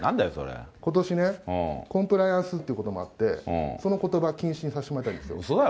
ことしね、コンプライアンスってこともあって、そのことば、禁止にさせてもらいたいんですよ。